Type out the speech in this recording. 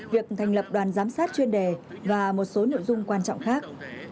việc thành lập đoàn giám sát chuyên đề và một số nội dung quan trọng khác